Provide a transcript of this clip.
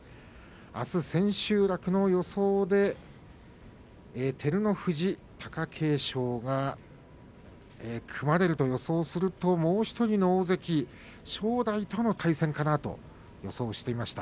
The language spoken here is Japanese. あす千秋楽の予想で照ノ富士、貴景勝が組まれると予想するともう１人の大関正代との対戦かなと予想してみました。